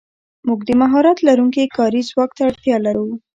موږ د مهارت لرونکي کاري ځواک ته اړتیا لرو.